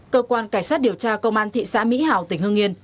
cơ quan cảnh sát điều tra công an thị xã mỹ hào tỉnh hương yên